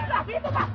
di situ pak